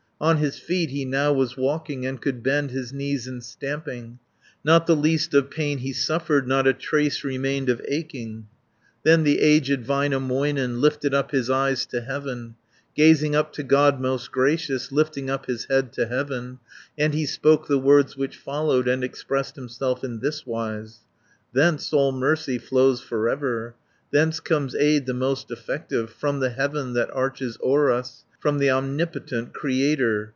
On his feet he now was walking And could bend his knees in stamping; Not the least of pain he suffered, Not a trace remained of aching. 560 Then the aged Väinämöinen, Lifted up his eyes to heaven, Gazing up to God most gracious, Lifting up his head to heaven, And he spoke the words which follow, And expressed himself in this wise: "Thence all mercy flows for ever, Thence comes aid the most effective, From the heaven that arches o'er us, From the omnipotent Creator.